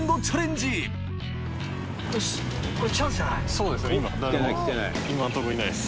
そうですね